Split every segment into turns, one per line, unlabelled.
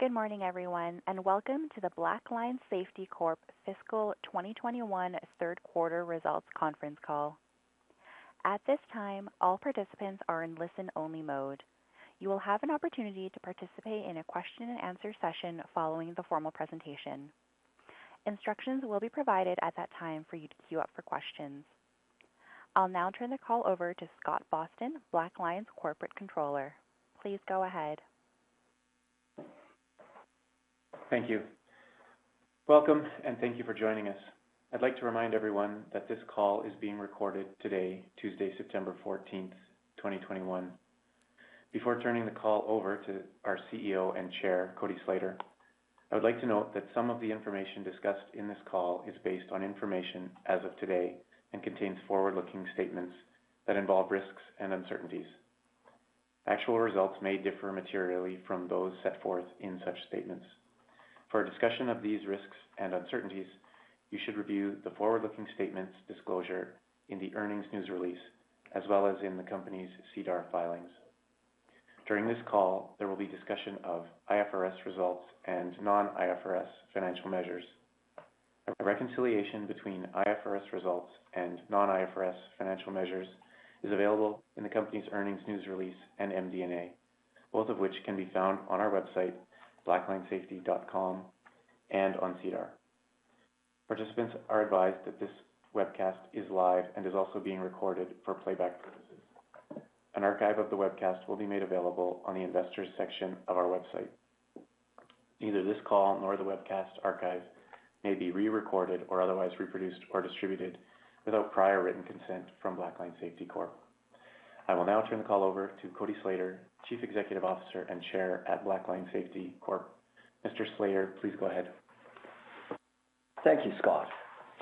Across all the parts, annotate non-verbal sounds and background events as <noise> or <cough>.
Good morning, everyone, and welcome to the Blackline Safety Corp fiscal 2021 third quarter results conference call. At this time, all participants are in listen-only mode. You will have an opportunity to participate in a question-and-answer session following the formal presentation. Instructions will be provided at that time for you to queue up for questions. I will now turn the call over to Scott Boston, Blackline's Corporate Controller. Please go ahead.
Thank you. Welcome, and thank you for joining us. I'd like to remind everyone that this call is being recorded today, Tuesday, September 14th, 2021. Before turning the call over to our CEO and Chair, Cody Slater, I would like to note that some of the information discussed in this call is based on information as of today, and contains forward-looking statements that involve risks and uncertainties. Actual results may differ materially from those set forth in such statements. For a discussion of these risks and uncertainties, you should review the forward-looking statements disclosure in the earnings news release, as well as in the company's SEDAR filings. During this call, there will be discussion of IFRS results and non-IFRS financial measures. A reconciliation between IFRS results and non-IFRS financial measures is available in the company's earnings news release and MD&A, both of which can be found on our website, blacklinesafety.com, and on SEDAR. Participants are advised that this webcast is live and is also being recorded for playback purposes. An archive of the webcast will be made available on the investors section of our website. Neither this call nor the webcast archive may be re-recorded or otherwise reproduced or distributed without prior written consent from Blackline Safety Corp. I will now turn the call over to Cody Slater, Chief Executive Officer and Chair at Blackline Safety Corp. Mr. Slater, please go ahead.
Thank you, Scott.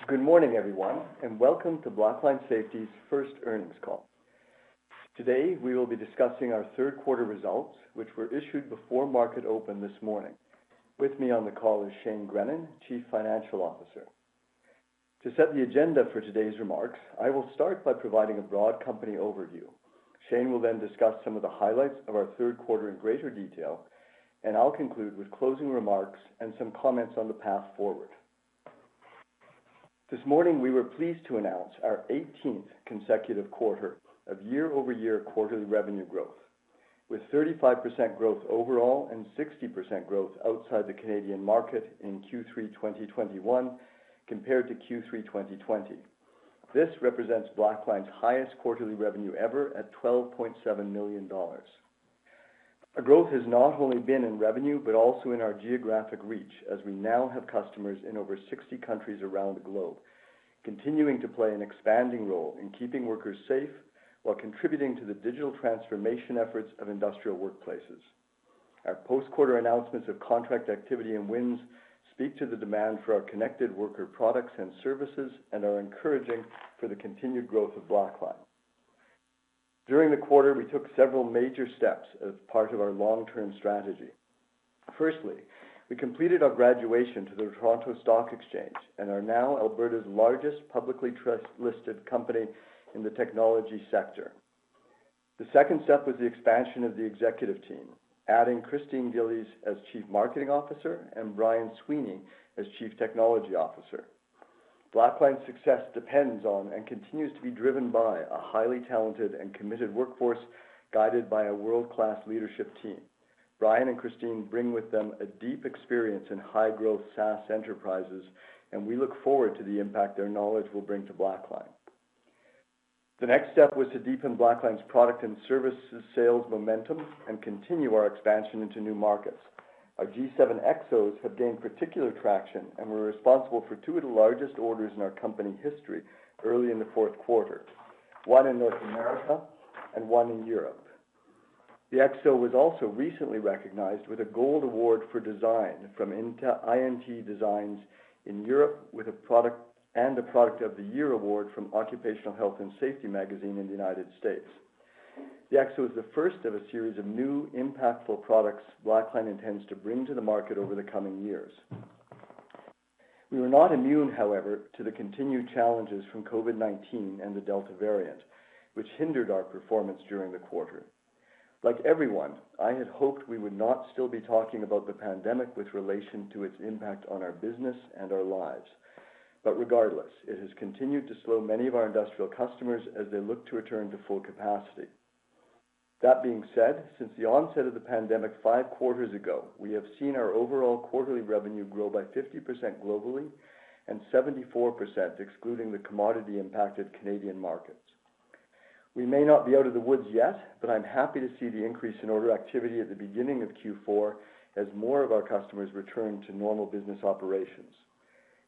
Good morning, everyone, and welcome to Blackline Safety's first earnings call. Today, we will be discussing our third quarter results, which were issued before market open this morning. With me on the call is Shane Grennan, Chief Financial Officer. To set the agenda for today's remarks, I will start by providing a broad company overview. Shane will then discuss some of the highlights of our third quarter in greater detail, and I'll conclude with closing remarks and some comments on the path forward. This morning, we were pleased to announce our 18th consecutive quarter of year-over-year quarterly revenue growth, with 35% growth overall and 60% growth outside the Canadian market in Q3 2021 compared to Q3 2020. This represents Blackline's highest quarterly revenue ever at 12.7 million dollars. Our growth has not only been in revenue, but also in our geographic reach as we now have customers in over 60 countries around the globe, continuing to play an expanding role in keeping workers safe while contributing to the digital transformation efforts of industrial workplaces. Our post-quarter announcements of contract activity and wins speak to the demand for our connected worker products and services and are encouraging for the continued growth of Blackline. During the quarter, we took several major steps as part of our long-term strategy. Firstly, we completed our graduation to the Toronto Stock Exchange and are now Alberta's largest publicly listed company in the technology sector. The second step was the expansion of the executive team, adding Christine Gillies as Chief Marketing Officer and Brian Sweeney as Chief Technology Officer. Blackline's success depends on and continues to be driven by a highly talented and committed workforce guided by a world-class leadership team. Brian and Christine bring with them a deep experience in high-growth SaaS enterprises, and we look forward to the impact their knowledge will bring to Blackline. The next step was to deepen Blackline's product and services sales momentum and continue our expansion into new markets. Our G7 EXOs have gained particular traction and were responsible for two of the largest orders in our company history early in the fourth quarter, one in North America and one in Europe. The EXO was also recently recognized with a Gold Award for design from INT.design in Europe and a Product of the Year award from Occupational Health & Safety magazine in the United States. The EXO is the first of a series of new, impactful products Blackline intends to bring to the market over the coming years. We were not immune, however, to the continued challenges from COVID-19 and the Delta variant, which hindered our performance during the quarter. Like everyone, I had hoped we would not still be talking about the pandemic with relation to its impact on our business and our lives. Regardless, it has continued to slow many of our industrial customers as they look to return to full capacity. That being said, since the onset of the pandemic five quarters ago, we have seen our overall quarterly revenue grow by 50% globally and 74% excluding the commodity-impacted Canadian markets. We may not be out of the woods yet, but I'm happy to see the increase in order activity at the beginning of Q4 as more of our customers return to normal business operations.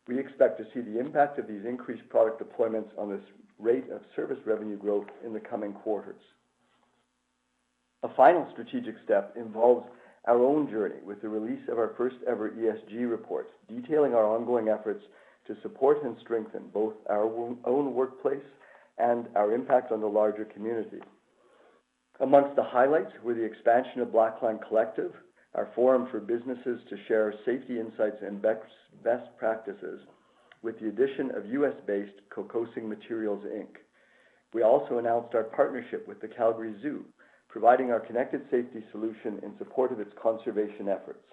We expect to see the impact of these increased product deployments on the rate of service revenue growth in the coming quarters. A final strategic step involves our own journey with the release of our first ever ESG report, detailing our ongoing efforts to support and strengthen both our own workplace and our impact on the larger community. Amongst the highlights were the expansion of Blackline Collective, our forum for businesses to share safety insights and best practices, with the addition of U.S.-based Kokosing Materials, Inc. We also announced our partnership with the Calgary Zoo, providing our connected safety solution in support of its conservation efforts.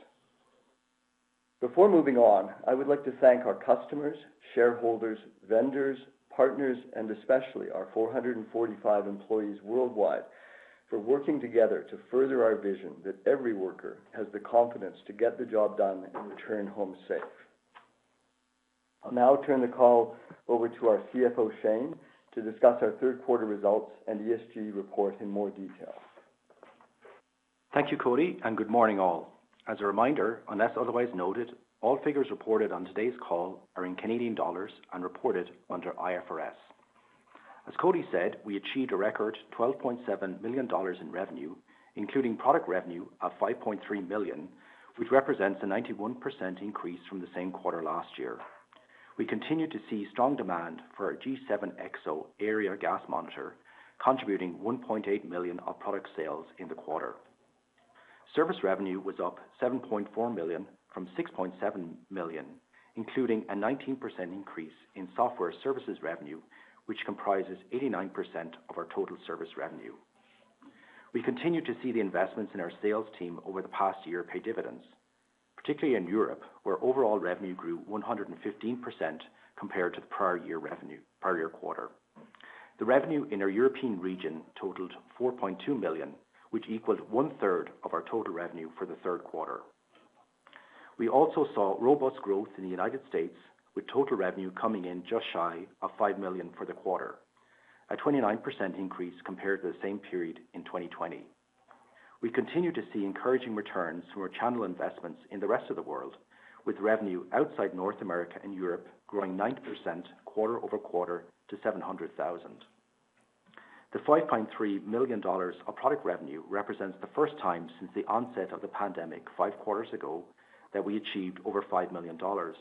Before moving on, I would like to thank our customers, shareholders, vendors, partners, and especially our 445 employees worldwide for working together to further our vision that every worker has the confidence to get the job done and return home safe. I'll now turn the call over to our CFO, Shane, to discuss our third quarter results and ESG report in more detail.
Thank you, Cody, and good morning all. As a reminder, unless otherwise noted, all figures reported on today's call are in Canadian dollars and reported under IFRS. As Cody said, we achieved a record 12.7 million dollars in revenue, including product revenue of 5.3 million, which represents a 91% increase from the same quarter last year. We continue to see strong demand for our G7 EXO area gas monitor, contributing 1.8 million of product sales in the quarter. Service revenue was up 7.4 million from 6.7 million, including a 19% increase in software services revenue, which comprises 89% of our total service revenue. We continue to see the investments in our sales team over the past year pay dividends, particularly in Europe, where overall revenue grew 115% compared to the prior year quarter. The revenue in our European region totaled 4.2 million, which equals 1/3 of our total revenue for the third quarter. We also saw robust growth in the United States with total revenue coming in just shy of 5 million for the quarter. A 29% increase compared to the same period in 2020. We continue to see encouraging returns through our channel investments in the rest of the world, with revenue outside North America and Europe growing 9% quarter-over-quarter to 700,000. The 5.3 million dollars of product revenue represents the first time since the onset of the pandemic five quarters ago that we achieved over 5 million dollars.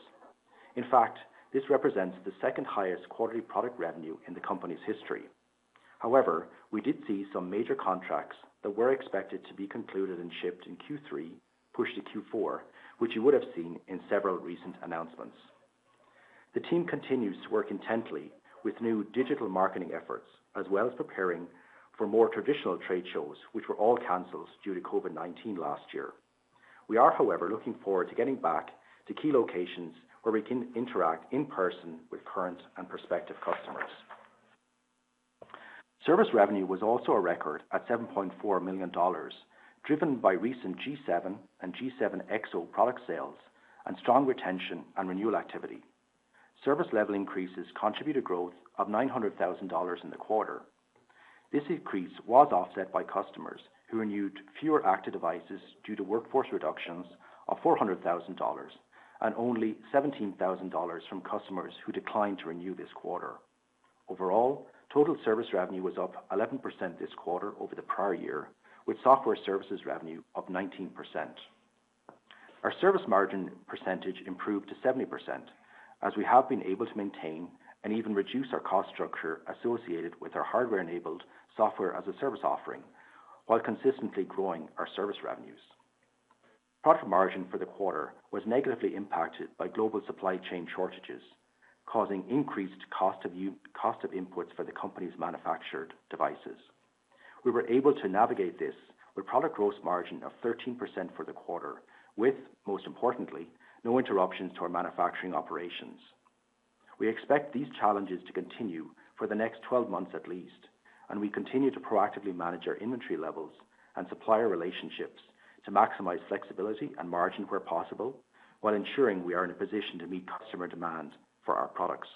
In fact, this represents the second-highest quarterly product revenue in the company's history. However, we did see some major contracts that were expected to be concluded and shipped in Q3 push to Q4, which you would have seen in several recent announcements. The team continues to work intently with new digital marketing efforts, as well as preparing for more traditional trade shows, which were all canceled due to COVID-19 last year. We are, however, looking forward to getting back to key locations where we can interact in person with current and prospective customers. Service revenue was also a record at 7.4 million dollars, driven by recent G7 and G7 EXO product sales and strong retention and renewal activity. Service level increases contributed growth of 900,000 dollars in the quarter. This increase was offset by customers who renewed fewer active devices due to workforce reductions of 400,000 dollars and only 17,000 dollars from customers who declined to renew this quarter. Overall, total service revenue was up 11% this quarter over the prior year, with software services revenue up 19%. Our service margin percentage improved to 70% as we have been able to maintain and even reduce our cost structure associated with our hardware-enabled Software-as-a-Service offering while consistently growing our service revenues. Profit margin for the quarter was negatively impacted by global supply chain shortages, causing increased cost of inputs for the company's manufactured devices. We were able to navigate this with product gross margin of 13% for the quarter, with, most importantly, no interruptions to our manufacturing operations. We expect these challenges to continue for the next 12 months at least, and we continue to proactively manage our inventory levels and supplier relationships to maximize flexibility and margin where possible while ensuring we are in a position to meet customer demand for our products.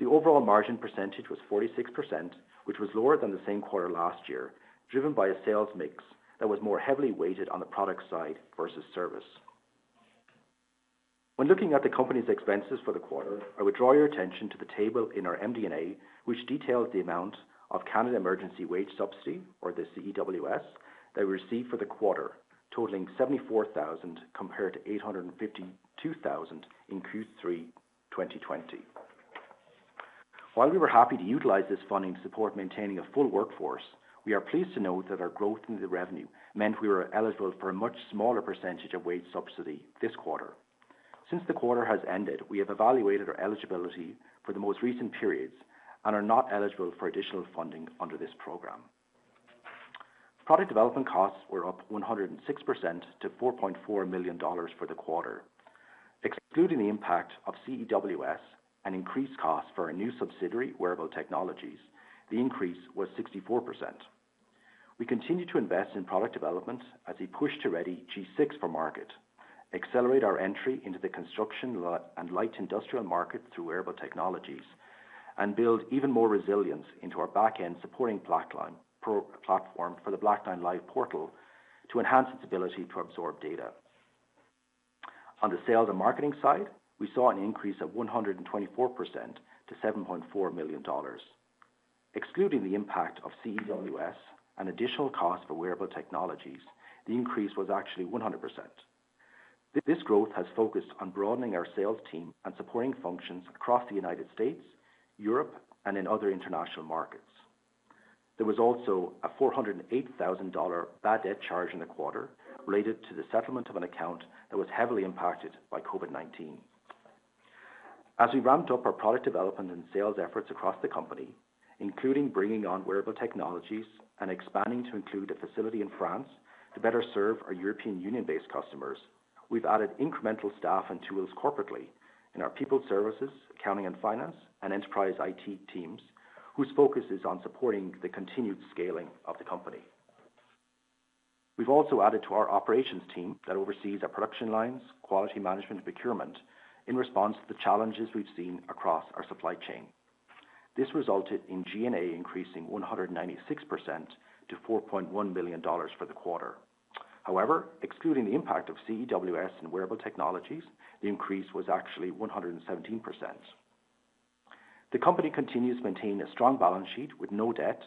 The overall margin percentage was 46%, which was lower than the same quarter last year, driven by a sales mix that was more heavily weighted on the product side versus service. When looking at the company's expenses for the quarter, I would draw your attention to the table in our MD&A, which details the amount of Canada Emergency Wage Subsidy, or the CEWS, that we received for the quarter, totaling 74,000 compared to 852,000 in Q3 2020. While we were happy to utilize this funding to support maintaining a full workforce, we are pleased to note that our growth in the revenue meant we were eligible for a much smaller percentage of wage subsidy this quarter. Since the quarter has ended, we have evaluated our eligibility for the most recent periods and are not eligible for additional funding under this program. Product development costs were up 106% to 4.4 million dollars for the quarter. Excluding the impact of CEWS and increased costs for our new subsidiary, Wearable Technologies, the increase was 64%. We continue to invest in product development as we push to ready G6 for market, accelerate our entry into the construction and light industrial market through Wearable Technologies, and build even more resilience into our back-end supporting platform for the Blackline Live portal to enhance its ability to absorb data. On the sales and marketing side, we saw an increase of 124% to 7.4 million dollars. Excluding the impact of CEWS and additional cost for Wearable Technologies, the increase was actually 100%. This growth has focused on broadening our sales team and supporting functions across the United States, Europe, and in other international markets. There was also a 408,000 dollar bad debt charge in the quarter related to the settlement of an account that was heavily impacted by COVID-19. As we ramped up our product development and sales efforts across the company, including bringing on Wearable Technologies and expanding to include a facility in France to better serve our European Union-based customers, we've added incremental staff and tools corporately in our people services, accounting and finance, and enterprise IT teams, whose focus is on supporting the continued scaling of the company. We've also added to our operations team that oversees our production lines, quality management, and procurement in response to the challenges we've seen across our supply chain. This resulted in G&A increasing 196% to 4.1 million dollars for the quarter. Excluding the impact of CEWS and Wearable Technologies, the increase was actually 117%. The company continues to maintain a strong balance sheet with no debt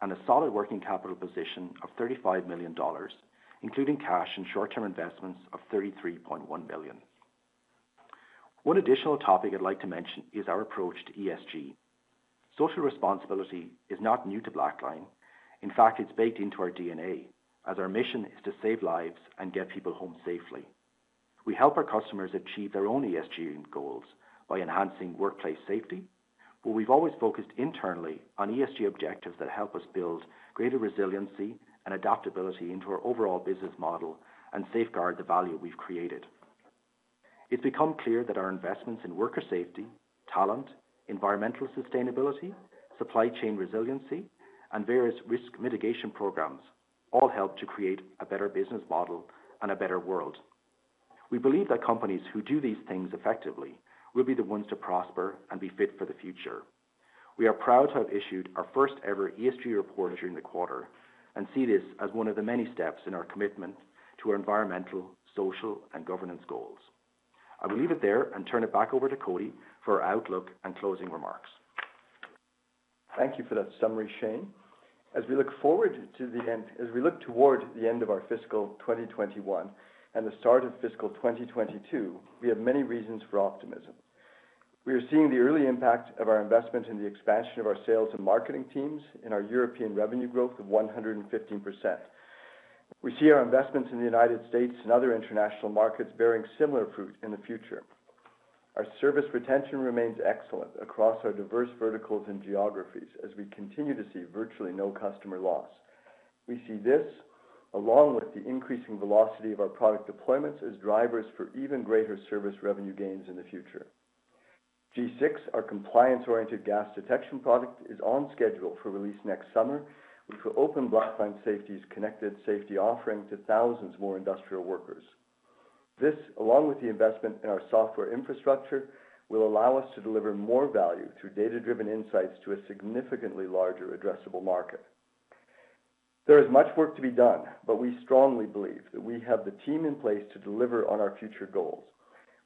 and a solid working capital position of 35 million dollars, including cash and short-term investments of 33.1 million. One additional topic I'd like to mention is our approach to ESG. Social responsibility is not new to Blackline. In fact, it's baked into our DNA, as our mission is to save lives and get people home safely. We help our customers achieve their own ESG goals by enhancing workplace safety, but we've always focused internally on ESG objectives that help us build greater resiliency and adaptability into our overall business model and safeguard the value we've created. It's become clear that our investments in worker safety, talent, environmental sustainability, supply chain resiliency, and various risk mitigation programs all help to create a better business model and a better world. We believe that companies who do these things effectively will be the ones to prosper and be fit for the future. We are proud to have issued our first-ever ESG report during the quarter and see this as one of the many steps in our commitment to our environmental, social, and governance goals. I will leave it there and turn it back over to Cody for our outlook and closing remarks.
Thank you for that summary, Shane. As we look toward the end of our fiscal 2021 and the start of fiscal 2022, we have many reasons for optimism. We are seeing the early impact of our investment in the expansion of our sales and marketing teams in our European revenue growth of 115%. We see our investments in the United States and other international markets bearing similar fruit in the future. Our service retention remains excellent across our diverse verticals and geographies as we continue to see virtually no customer loss. We see this, along with the increasing velocity of our product deployments, as drivers for even greater service revenue gains in the future. G6, our compliance-oriented gas detection product, is on schedule for release next summer, which will open Blackline Safety's connected safety offering to thousands more industrial workers. This, along with the investment in our software infrastructure, will allow us to deliver more value through data-driven insights to a significantly larger addressable market. There is much work to be done. We strongly believe that we have the team in place to deliver on our future goals.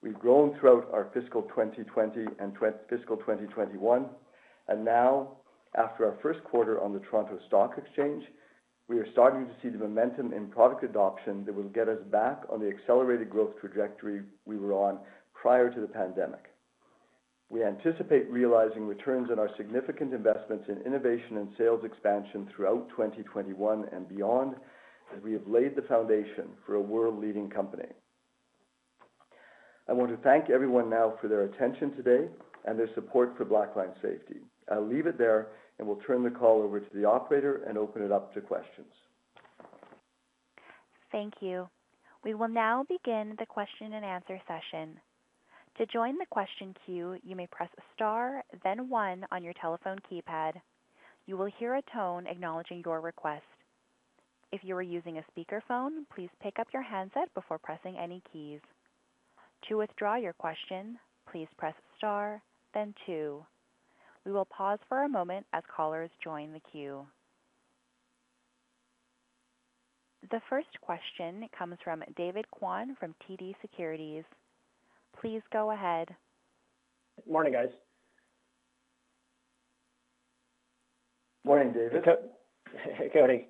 We've grown throughout our fiscal 2020 and fiscal 2021. Now, after our first quarter on the Toronto Stock Exchange, we are starting to see the momentum in product adoption that will get us back on the accelerated growth trajectory we were on prior to the pandemic. We anticipate realizing returns on our significant investments in innovation and sales expansion throughout 2021 and beyond, as we have laid the foundation for a world-leading company. I want to thank everyone now for their attention today and their support for Blackline Safety. I'll leave it there, and we'll turn the call over to the operator and open it up to questions.
Thank you. We will now begin the question-and-answer session. To join the question queue, you may press star then one on your telephone keypad. You will hear a tone acknowledging your request. If you're using a speaker phone, please pick up your handset before pressing any keys. To withdraw your question, please press star then two. We will pause for a moment as callers join the queue. The first question comes from David Kwan from TD Securities. Please go ahead.
Morning, guys.
Morning, David.
Hey, Cody.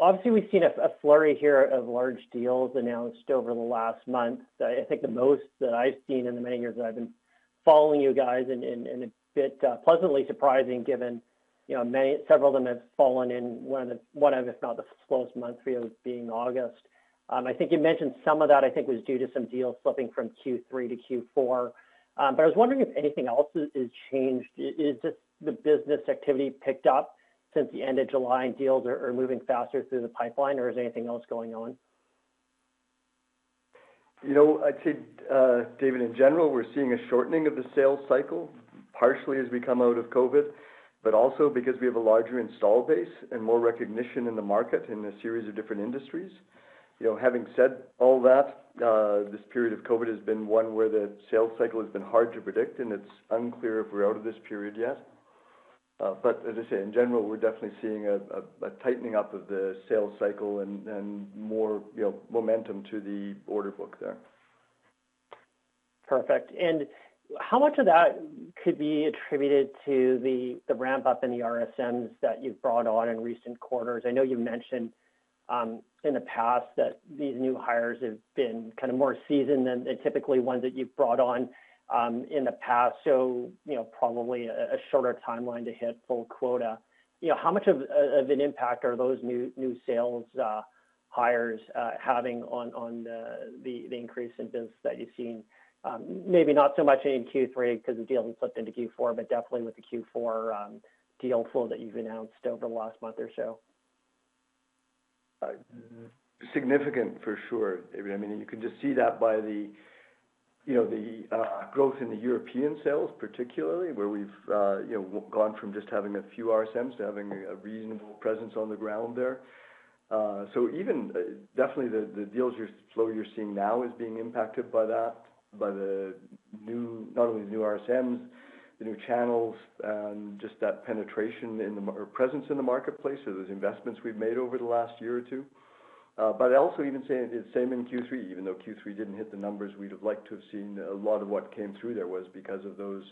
Obviously, we've seen a flurry here of large deals announced over the last month. I think the most that I've seen in the many years that I've been following you guys, and a bit pleasantly surprising given several of them have fallen in one of, if not the slowest months for you, being August. I think you mentioned some of that, I think, was due to some deals flipping from Q3 to Q4. I was wondering if anything else has changed. Has the business activity picked up since the end of July, and deals are moving faster through the pipeline, or is there anything else going on?
I'd say, David, in general, we're seeing a shortening of the sales cycle, partially as we come out of COVID, but also because we have a larger install base and more recognition in the market in a series of different industries. Having said all that, this period of COVID has been one where the sales cycle has been hard to predict, and it's unclear if we're out of this period yet. As I say, in general, we're definitely seeing a tightening up of the sales cycle and more momentum to the order book there.
Perfect. How much of that could be attributed to the ramp-up in the RSMs that you've brought on in recent quarters? I know you mentioned in the past, these new hires have been more seasoned than typically ones that you've brought on in the past. Probably a shorter timeline to hit full quota. How much of an impact are those new sales hires having on the increase in business that you're seeing? Maybe not so much in Q3 because the deal flipped into Q4, but definitely with the Q4 deal flow that you've announced over the last month or so.
Significant, for sure. You can just see that by the growth in the European sales, particularly where we've gone from just having a few RSMs to having a reasonable presence on the ground there. Definitely the deals flow you're seeing now is being impacted by that, by not only the new RSMs, the new channels, and just that penetration or presence in the marketplace. So those investments we've made over the last year or two. Also even the same in Q3, even though Q3 didn't hit the numbers we'd have liked to have seen, a lot of what came through there was because of those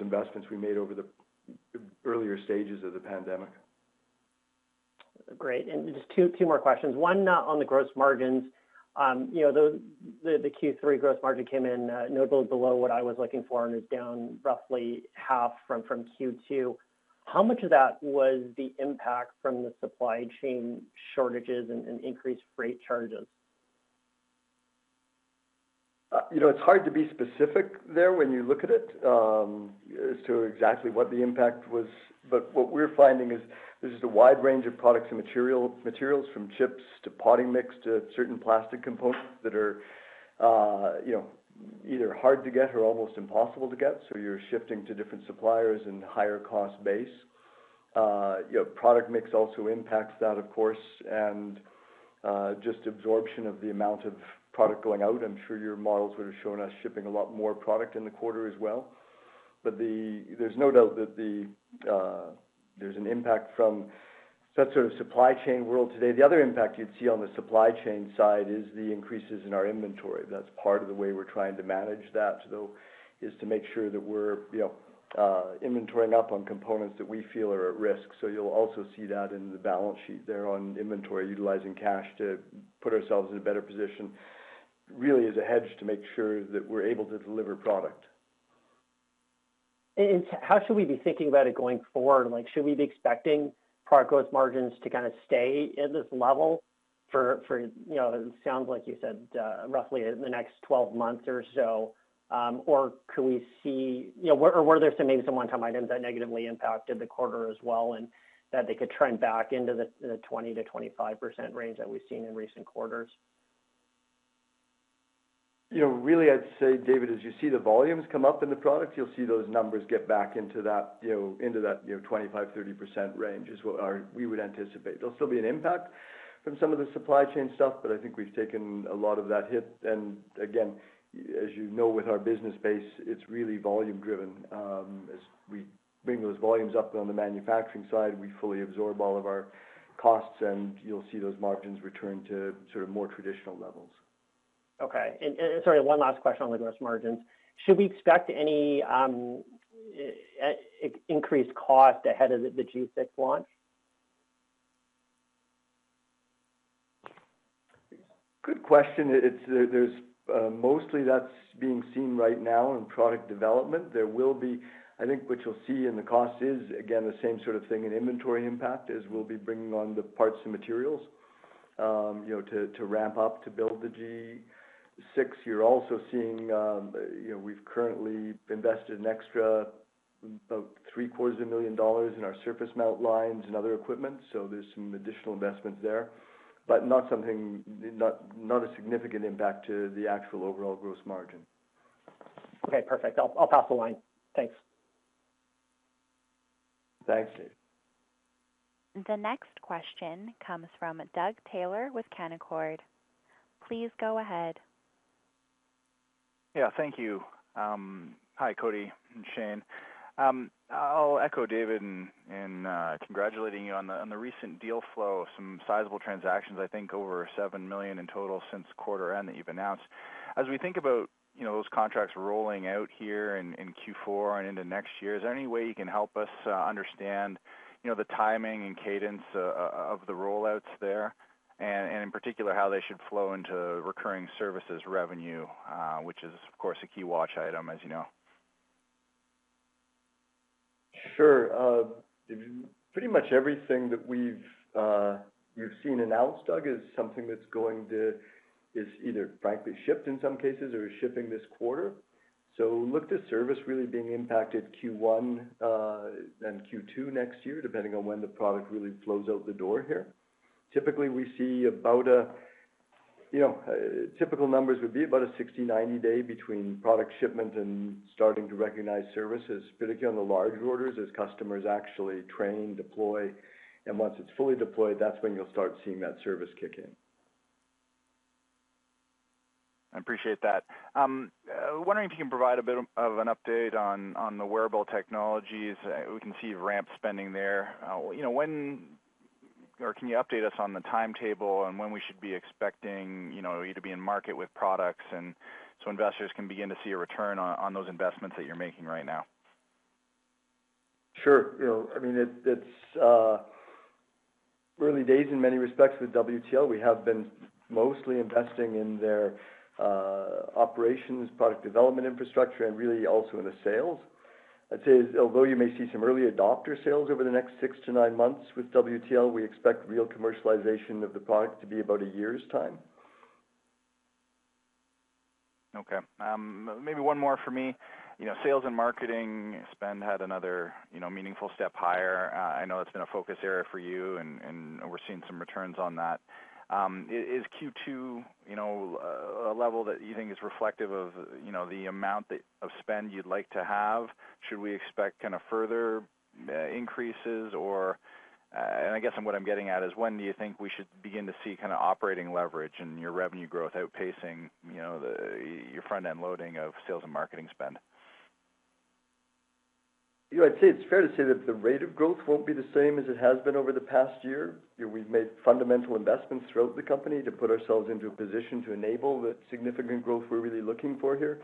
investments we made over the earlier stages of the pandemic.
Great. Just two more questions. One on the gross margins. The Q3 gross margin came in notably below what I was looking for and is down roughly half from Q2. How much of that was the impact from the supply chain shortages and increased freight charges?
It's hard to be specific there when you look at it as to exactly what the impact was. What we're finding is there's a wide range of products and materials, from chips to potting mix to certain plastic components that are either hard to get or almost impossible to get. You're shifting to different suppliers and higher cost base. Product mix also impacts that, of course, and just absorption of the amount of product going out. I'm sure your models would have shown us shipping a lot more product in the quarter as well. There's no doubt that there's an impact from that sort of supply chain world today. The other impact you'd see on the supply chain side is the increases in our inventory.
That's part of the way we're trying to manage that, though, is to make sure that we're inventorying up on components that we feel are at risk. You'll also see that in the balance sheet there on inventory, utilizing cash to put ourselves in a better position, really as a hedge to make sure that we're able to deliver product.
How should we be thinking about it going forward? Should we be expecting product gross margins to stay at this level for, it sounds like you said, roughly the next 12 months or so? Were there maybe some one-time items that negatively impacted the quarter as well and that they could trend back into the 20%-25% range that we've seen in recent quarters?
Really, I'd say, David, as you see the volumes come up in the products, you'll see those numbers get back into that 25%-30% range is what we would anticipate. There'll still be an impact from some of the supply chain stuff. I think we've taken a lot of that hit. Again, as you know, with our business base, it's really volume driven. As we bring those volumes up on the manufacturing side, we fully absorb all of our costs. You'll see those margins return to more traditional levels.
Okay. Sorry, one last question on the gross margins. Should we expect any increased cost ahead of the G6 launch?
Good question. Mostly that's being seen right now in product development. I think what you'll see in the cost is, again, the same sort of thing in inventory impact as we'll be bringing on the parts and materials to ramp up to build the G6. You're also seeing we've currently invested an extra about 750,000 dollars in our surface mount lines and other equipment. There's some additional investments there, but not a significant impact to the actual overall gross margin.
Okay, perfect. I'll pass the line. Thanks.
Thanks David.
The next question comes from Doug Taylor with Canaccord. Please go ahead.
Yeah, thank you. Hi, Cody and Shane. I'll echo David in congratulating you on the recent deal flow of some sizable transactions, I think over 7 million in total since quarter end that you've announced. As we think about those contracts rolling out here in Q4 and into next year, is there any way you can help us understand the timing and cadence of the rollouts there? And in particular, how they should flow into recurring services revenue, which is, of course, a key watch item, as you know.
Sure. Pretty much everything that we've seen announced, Doug, is something that is either frankly shipped in some cases or is shipping this quarter. Look to service really being impacted Q1 and Q2 next year, depending on when the product really flows out the door here. Typical numbers would be about a 60-90 day between product shipment and starting to recognize services, particularly on the larger orders as customers actually train, deploy. Once it's fully deployed, that's when you'll start seeing that service kick in.
I appreciate that. I'm wondering if you can provide a bit of an update on the Wearable Technologies. We can see ramp spending there. Can you update us on the timetable and when we should be expecting you to be in market with products so investors can begin to see a return on those investments that you're making right now?
Sure. It's early days in many respects with WTL. We have been mostly investing in their operations, product development infrastructure, and really also in the sales. I'd say, although you may see some early adopter sales over the next six to nine months with WTL, we expect real commercialization of the product to be about a year's time.
Okay. Maybe one more for me. Sales and marketing spend had another meaningful step higher. I know that's been a focus area for you, and we're seeing some returns on that. Is Q2 a level that you think is reflective of the amount of spend you'd like to have? Should we expect further increases or I guess what I'm getting at is when do you think we should begin to see operating leverage and your revenue growth outpacing your front-end loading of sales and marketing spend?
I'd say it's fair to say that the rate of growth won't be the same as it has been over the past year. We've made fundamental investments throughout the company to put ourselves into a position to enable the significant growth we're really looking for here.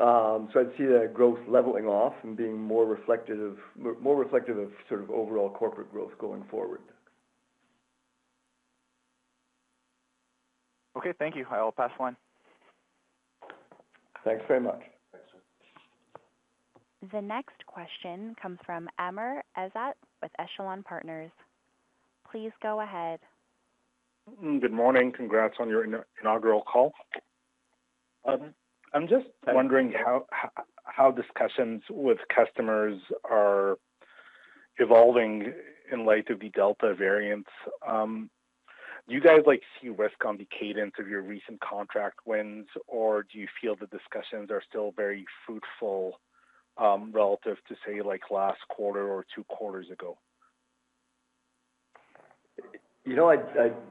I'd see that growth leveling off and being more reflective of overall corporate growth going forward.
Okay, thank you. I will pass the line.
Thanks very much.
Thanks.
The next question comes from Amr Ezzat with Echelon Partners. Please go ahead.
Good morning. Congrats on your inaugural call. I'm just wondering how discussions with customers are evolving in light of the Delta variant. Do you guys see risk on the cadence of your recent contract wins, or do you feel the discussions are still very fruitful, relative to, say, last quarter or two quarters ago?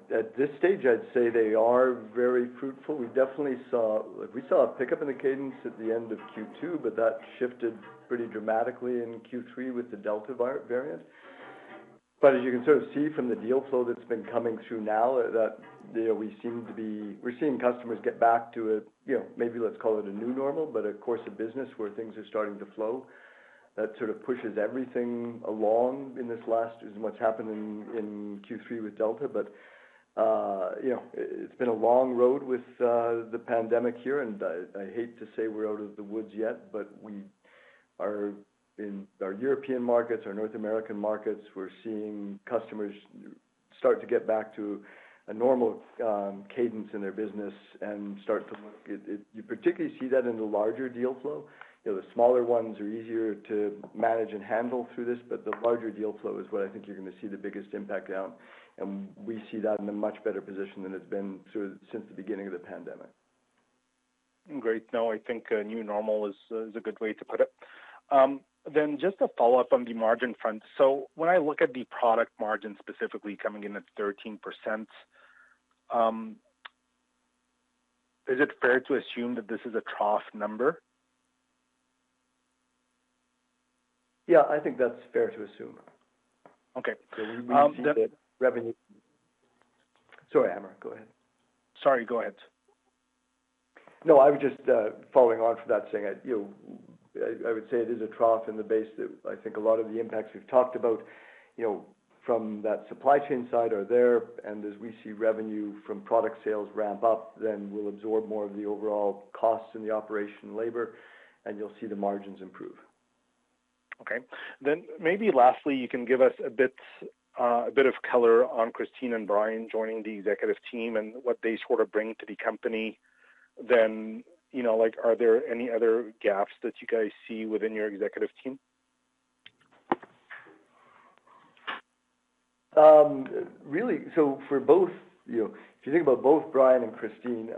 At this stage, I'd say they are very fruitful. We saw a pick up in the cadence at the end of Q2 but that shifted pretty dramatically in Q3 with the Delta variant. As you can sort of see from the deal flow that's been coming through now, that we're seeing customers get back to a, maybe let's call it a new normal, but a course of business where things are starting to flow that sort of pushes everything along in this last, is what's happened in Q3 with the Delta. It's been a long road with the pandemic here, and I hate to say we're out of the woods yet, but we are in our European markets, our North American markets, we're seeing customers start to get back to a normal cadence in their business and start to look at it. You particularly see that in the larger deal flow. The smaller ones are easier to manage and handle through this, but the larger deal flow is what I think you're going to see the biggest impact on, and we see that in a much better position than it's been since the beginning of the pandemic.
Great. No, I think a new normal is a good way to put it. Just a follow-up on the margin front. When I look at the product margin specifically coming in at 13%, is it fair to assume that this is a trough number?
Yeah, I think that's fair to assume.
Okay.
Sorry, Amr. Go ahead.
Sorry, go ahead.
No, I was just following on from that saying, I would say it is a trough in the base that I think a lot of the impacts we've talked about from that supply chain side are there, and as we see revenue from product sales ramp up, then we'll absorb more of the overall costs in the operation labor, and you'll see the margins improve.
Okay. Lastly, you can give us a bit of color on Christine and Brian joining the executive team and what they sort of bring to the company then. Are there any other gaps that you guys see within your executive team?
If you think about both Brian and Christine,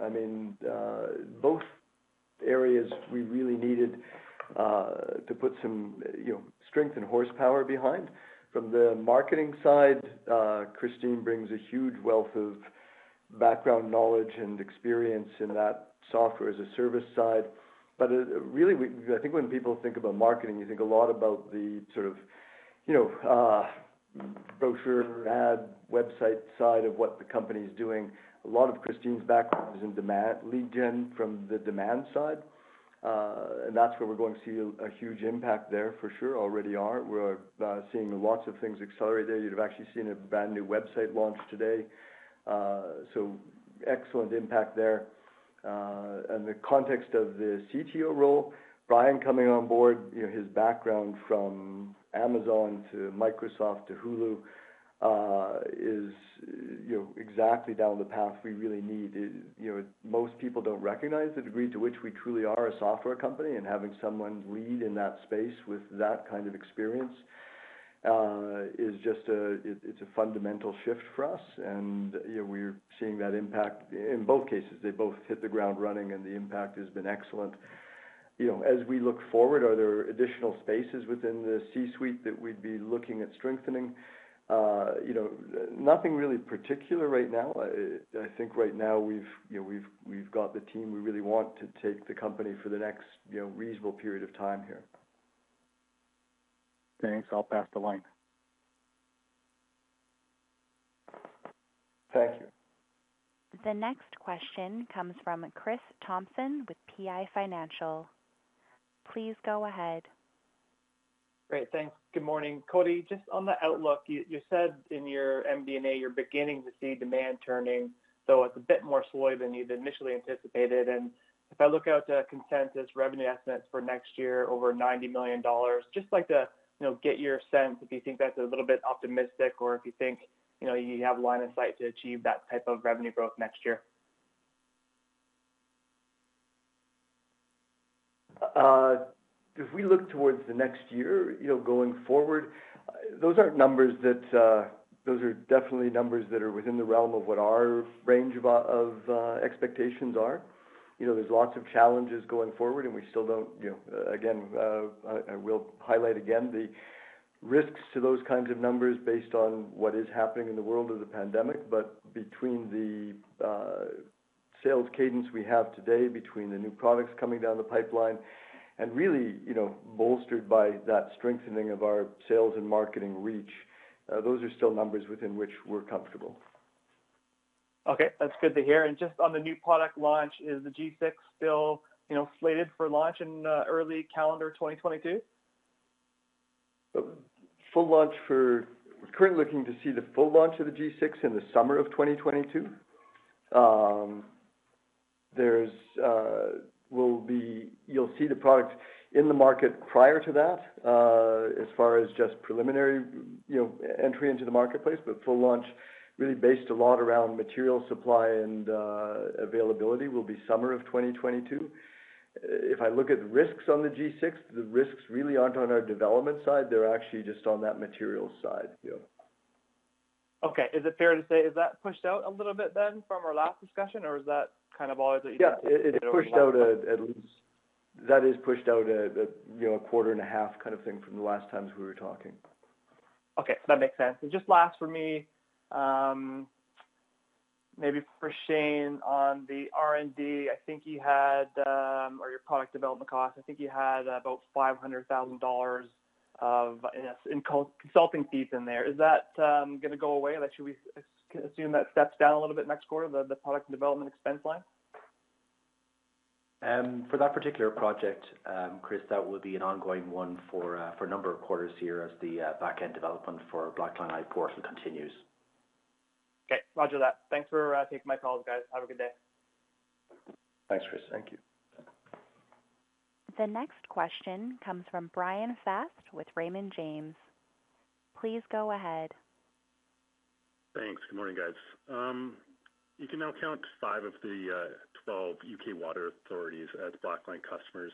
both areas we really needed to put some strength and horsepower behind. From the marketing side, Christine brings a huge wealth of background knowledge and experience in that software as a service side. Really, I think when people think about marketing, you think a lot about the sort of brochure, ad, website side of what the company's doing. A lot of Christine's background is in lead gen from the demand side. That's where we're going to see a huge impact there for sure. Already are. We're seeing lots of things accelerate there. You'd have actually seen a brand new website launch today. Excellent impact there. In the context of the CTO role, Brian coming on board, his background from Amazon to Microsoft to Hulu is exactly down the path we really need. Most people don't recognize the degree to which we truly are a software company, and having someone lead in that space with that kind of experience, it's a fundamental shift for us. We're seeing that impact in both cases. They both hit the ground running, and the impact has been excellent. As we look forward, are there additional spaces within the C-suite that we'd be looking at strengthening? Nothing really particular right now. I think right now we've got the team we really want to take the company for the next reasonable period of time here.
Thanks. I'll pass the line.
Thank you.
The next question comes from Chris Thompson with PI Financial. Please go ahead.
Great. Thanks. Good morning, Cody. Just on the outlook, you said in your MD&A, you're beginning to see demand turning, though it's a bit more slow than you'd initially anticipated. If I look out to consensus revenue estimates for next year, over 90 million dollars, just like to get your sense if you think that's a little bit optimistic or if you think you have line of sight to achieve that type of revenue growth next year.
If we look towards the next year, going forward, those are definitely numbers that are within the realm of what our range of expectations are. There's lots of challenges going forward, and I will highlight again the risks to those kinds of numbers based on what is happening in the world of the pandemic. Between the sales cadence we have today, between the new products coming down the pipeline and really bolstered by that strengthening of our sales and marketing reach, those are still numbers within which we're comfortable.
Okay. That's good to hear. Just on the new product launch, is the G6 still slated for launch in early calendar 2022?
We're currently looking to see the full launch of the G6 in the summer of 2022. You'll see the product in the market prior to that as far as just preliminary entry into the marketplace. Full launch really based a lot around material supply and availability will be summer of 2022. If I look at risks on the G6, the risks really aren't on our development side. They're actually just on that materials side.
Okay. Is it fair to say, is that pushed out a little bit then from our last discussion, or is that kind of always that?
Yeah, that is pushed out a quarter and a half kind of thing from the last times we were talking.
Okay. That makes sense. Just last for me, maybe for Shane on the R&D or your product development cost, I think you had about 500,000 dollars of consulting fees in there. Is that gonna go away? Should we assume that steps down a little bit next quarter, the product development expense line?
For that particular project, Chris, that will be an ongoing one for a number of quarters here as the back end development for Blackline Live portal continues. Okay. Roger that. Thanks for taking my calls, guys. Have a good day. Thanks, Chris.
Thank you.
The next question comes from Bryan Fast with Raymond James. Please go ahead.
Thanks. Good morning, guys. You can now count five of the 12 U.K. water authorities as Blackline customers.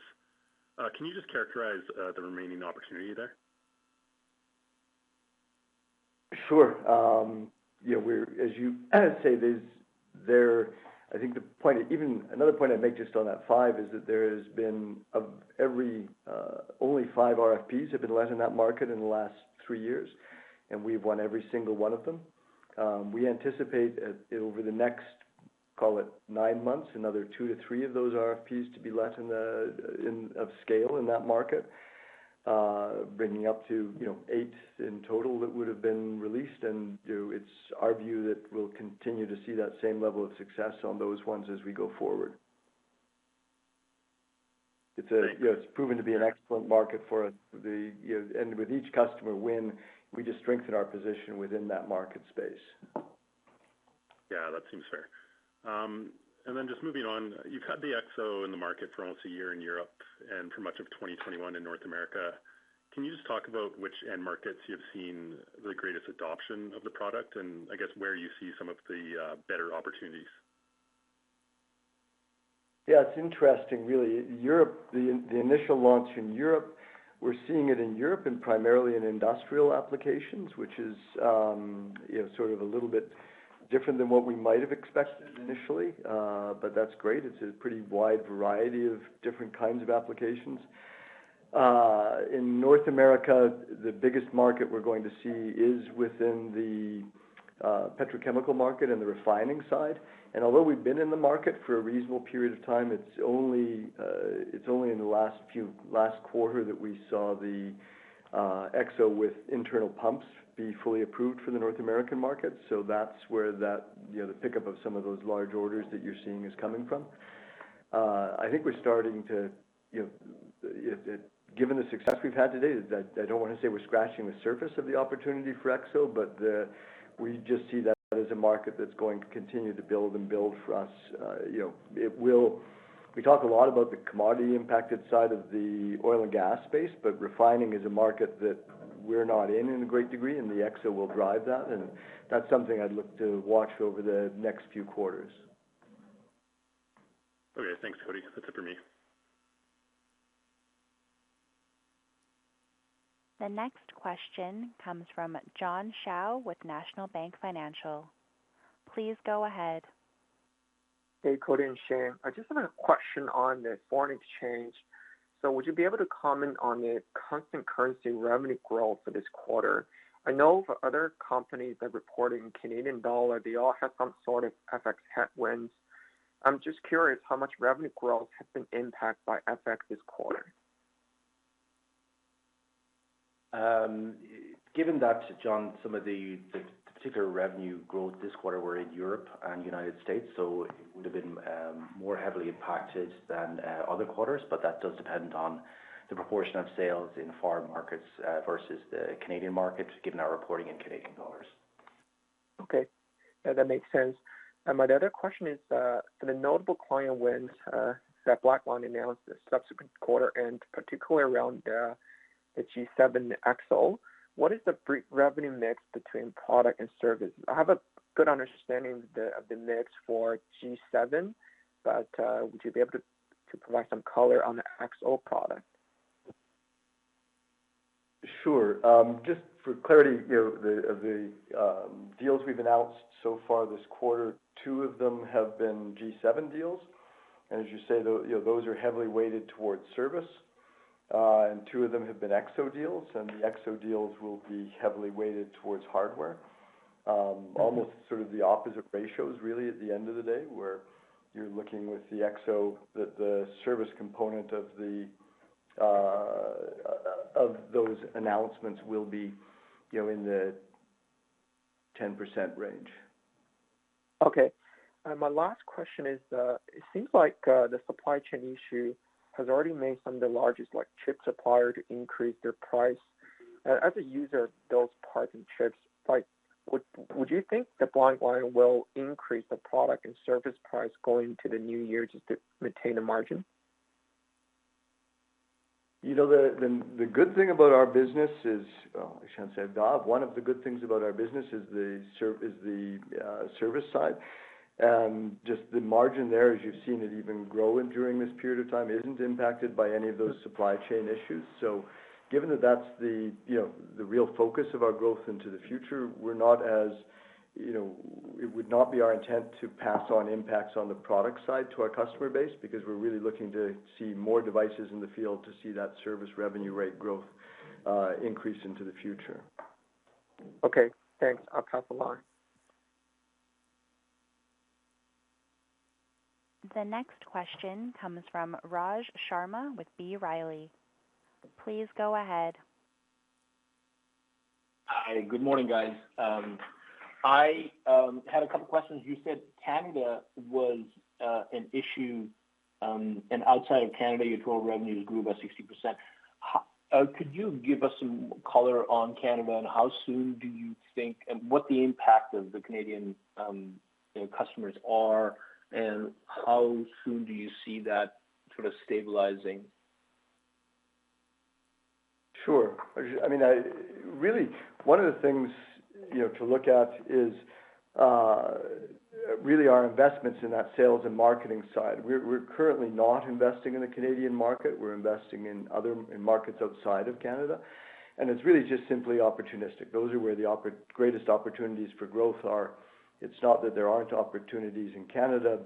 Can you just characterize the remaining opportunity there?
Sure. I think another point I'd make just on that five is that there has been only five RFPs have been let in that market in the last three years, and we've won every single one of them. We anticipate over the next, call it nine months, another two, three of those RFPs to be let of scale in that market, bringing up to eight in total that would have been released. It's our view that we'll continue to see that same level of success on those ones as we go forward.
Thank you.
It's proven to be an excellent market for us. With each customer win, we just strengthen our position within that market space.
Yeah, that seems fair. Just moving on, you've had the EXO in the market for almost a year in Europe and for much of 2021 in North America. Can you just talk about which end markets you've seen the greatest adoption of the product and I guess where you see some of the better opportunities?
It's interesting really. The initial launch in Europe, we're seeing it in Europe and primarily in industrial applications, which is sort of a little bit different than what we might have expected initially. That's great. It's a pretty wide variety of different kinds of applications. In North America, the biggest market we're going to see is within the petrochemical market and the refining side. Although we've been in the market for a reasonable period of time, it's only in the last quarter that we saw the EXO with internal pumps be fully approved for the North American market. That's where the pickup of some of those large orders that you're seeing is coming from. Given the success we've had to date, I don't want to say we're scratching the surface of the opportunity for EXO, but we just see that as a market that's going to continue to build and build for us. We talk a lot about the commodity impacted side of the oil & gas space, but refining is a market that we're not in a great degree, and the EXO will drive that, and that's something I'd look to watch over the next few quarters.
Okay. Thanks, Cody. That's it for me.
The next question comes from John Shao with National Bank Financial. Please go ahead.
Hey, Cody and Shane. I just have a question on the foreign exchange. Would you be able to comment on the constant currency revenue growth for this quarter? I know for other companies that reported in Canadian dollar, they all had some sort of FX headwinds. I'm just curious how much revenue growth has been impacted by FX this quarter.
Given that, John, some of the particular revenue growth this quarter were in Europe and United States. It would have been more heavily impacted than other quarters. That does depend on the proportion of sales in foreign markets versus the Canadian market, given our reporting in Canadian dollars.
Okay. Yeah, that makes sense. My other question is, for the notable client wins that Blackline announced this subsequent quarter and particularly around the G7 EXO, what is the revenue mix between product and service? I have a good understanding of the mix for G7, would you be able to provide some color on the EXO product?
Sure. Just for clarity, of the deals we've announced so far this quarter, two of them have been G7 deals. As you say, those are heavily weighted towards service. Two of them have been EXO deals, and the EXO deals will be heavily weighted towards hardware. Almost sort of the opposite ratios really at the end of the day, where you're looking with the EXO that the service component of those announcements will be in the 10% range.
Okay. My last question is, it seems like the supply chain issue has already made some of the largest chip suppliers increase their price. As a user of those parts and chips, would you think that Blackline will increase the product and service price going to the new year just to maintain a margin?
The good thing about our business is, I shouldn't say the, one of the good things about our business is the service side. Just the margin there, as you've seen it even growing during this period of time, isn't impacted by any of those supply chain issues. Given that that's the real focus of our growth into the future, it would not be our intent to pass on impacts on the product side to our customer base, because we're really looking to see more devices in the field to see that service revenue rate growth increase into the future.
Okay, thanks. I'll pass along.
The next question comes from Raj Sharma with B. Riley. Please go ahead.
Hi. Good morning, guys. I had a couple questions. You said Canada was an issue, and outside of Canada, your total revenues grew by 60%. Could you give us some color on Canada, and how soon do you think, and what the impact of the Canadian customers are, and how soon do you see that sort of stabilizing?
Sure. Really, one of the things to look at is really our investments in that sales and marketing side. We're currently not investing in the Canadian market. We're investing in markets outside of Canada. It's really just simply opportunistic. Those are where the greatest opportunities for growth are. It's not that there aren't opportunities in Canada,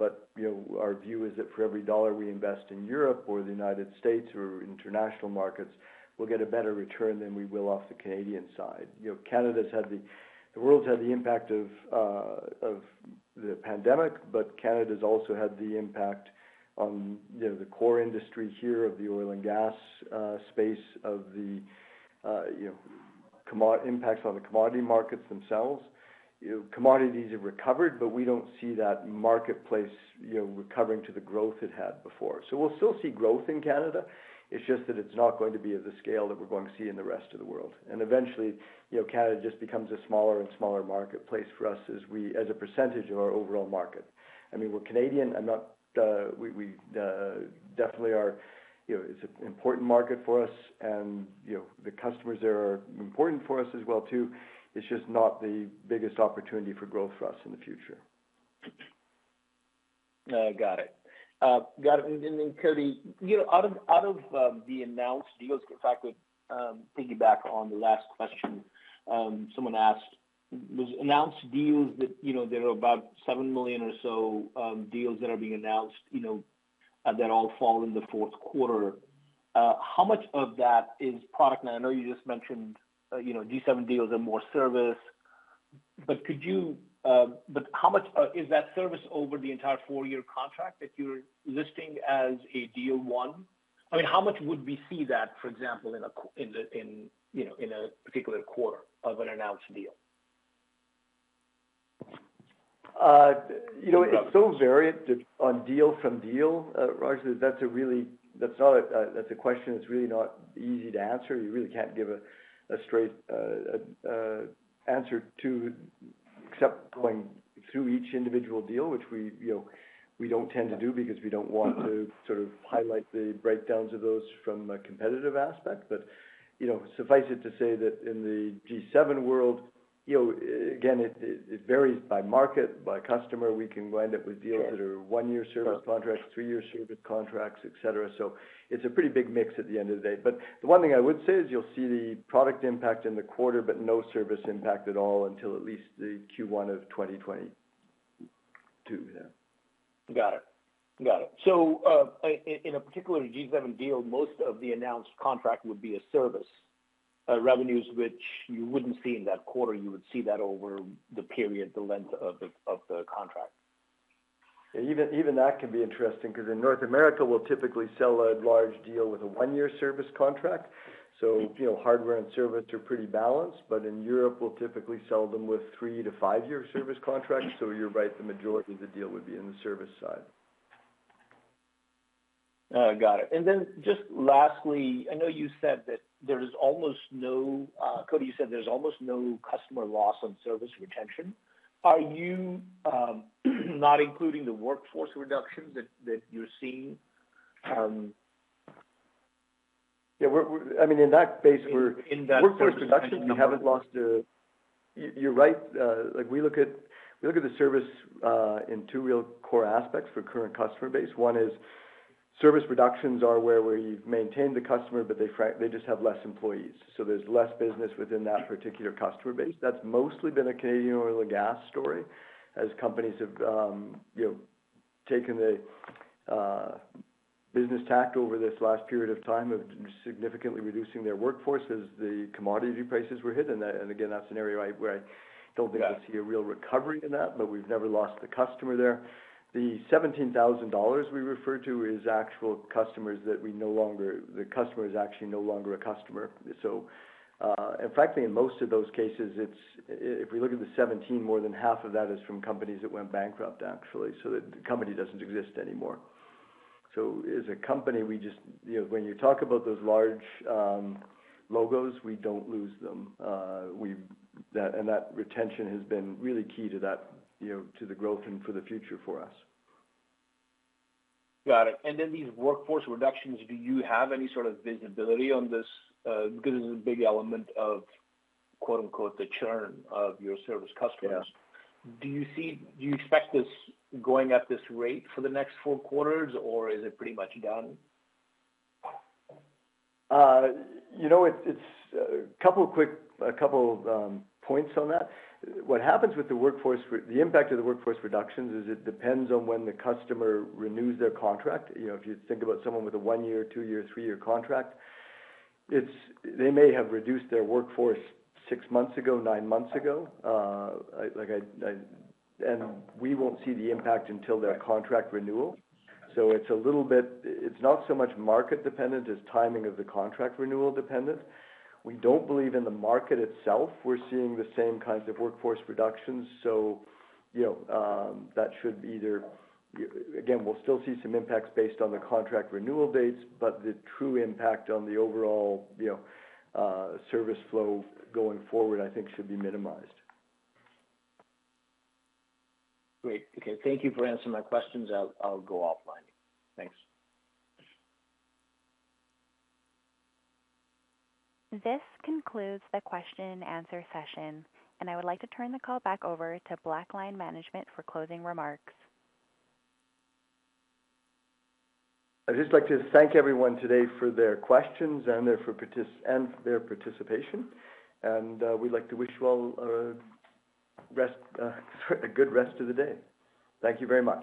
our view is that for every dollar we invest in Europe or the United States or international markets, we'll get a better return than we will off the Canadian side. The world's had the impact of the pandemic, Canada's also had the impact on the core industry here of the oil & gas space, of the impacts on the commodity markets themselves. Commodities have recovered, we don't see that marketplace recovering to the growth it had before. We'll still see growth in Canada, it's just that it's not going to be at the scale that we're going to see in the rest of the world. Eventually, Canada just becomes a smaller and smaller marketplace for us as a percentage of our overall market. We're Canadian and definitely it's an important market for us and the customers there are important for us as well, too. It's just not the biggest opportunity for growth for us in the future.
Got it. Cody, out of the announced deals, if I could piggyback on the last question someone asked, those announced deals that there are about 7 million or so deals that are being announced, that all fall in the fourth quarter. How much of that is product? I know you just mentioned G7 deals are more service, but how much is that service over the entire four-year contract that you're listing as a deal one? How much would we see that, for example, in a particular quarter of an announced deal?
It's so variant on deal from deal, Raj, that's a question that's really not easy to answer. You really can't give a straight answer to, except going through each individual deal, which we don't tend to do because we don't want to sort of highlight the breakdowns of those from a competitive aspect. Suffice it to say that in the G7 world, again, it varies by market, by customer. We can wind up with deals that are one-year service contracts, three-year service contracts, et cetera. It's a pretty big mix at the end of the day. The one thing I would say is you'll see the product impact in the quarter, but no service impact at all until at least the Q1 of 2022. Yeah.
Got it. In a particular G7 deal, most of the announced contract would be a service, revenues which you wouldn't see in that quarter. You would see that over the period, the length of the contract?
Even that can be interesting, because in North America, we'll typically sell a large deal with a one-year service contract. Hardware and service are pretty balanced. In Europe, we'll typically sell them with three- to five-year service contracts. You're right, the majority of the deal would be in the service side.
Got it. Just lastly, I know Cody, you said there's almost no customer loss on service retention. Are you not including the workforce reductions that you're seeing?
Yeah. <crosstalk> I mean in that space work, workforce reductions, you're right. We look at the service in two real core aspects for current customer base. One is service reductions are where we've maintained the customer, but they just have less employees, so there's less business within that particular customer base. That's mostly been a Canadian oil & gas story as companies have taken the business tact over this last period of time of significantly reducing their workforce as the commodity prices were hit. Again, that scenario where I don't think we'll see a real recovery in that, but we've never lost the customer there. The 17,000 dollars we refer to is actual customers that the customer is actually no longer a customer. Frankly, in most of those cases, if we look at the 17,000, more than half of that is from companies that went bankrupt, actually. The company doesn't exist anymore. As a company, when you talk about those large logos, we don't lose them. That retention has been really key to the growth and for the future for us.
Got it. These workforce reductions, do you have any sort of visibility on this? This is a big element of, quote-unquote, "the churn" of your service customers.
Yeah.
Do you expect this going at this rate for the next four quarters, or is it pretty much done?
A couple points on that. What happens with the impact of the workforce reductions is it depends on when the customer renews their contract. If you think about someone with a one-year, two-year, three-year contract, they may have reduced their workforce six months ago, nine months ago. We won't see the impact until their contract renewal. It's not so much market dependent as timing of the contract renewal dependent. We don't believe in the market itself we're seeing the same kinds of workforce reductions. Again, we'll still see some impacts based on the contract renewal dates, but the true impact on the overall service flow going forward, I think, should be minimized.
Great. Okay. Thank you for answering my questions. I'll go offline. Thanks.
This concludes the question-and-answer session, and I would like to turn the call back over to Blackline management for closing remarks.
I'd just like to thank everyone today for their questions and their participation. We'd like to wish you all a good rest of the day. Thank you very much.